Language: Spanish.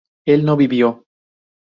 él no vivió